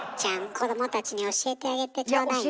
子どもたちに教えてあげてちょうだいね。